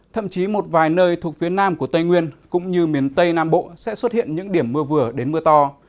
thậm chí một vài nơi thuộc phía nam của tây nguyên cũng như miền tây nam bộ sẽ xuất hiện những điểm mưa vừa đến mưa to